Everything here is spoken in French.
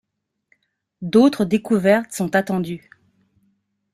D'autres découvertes sont attendues.